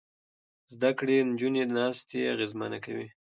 زده کړې نجونې ناستې اغېزمنې کوي.